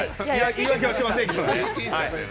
言い訳はしません！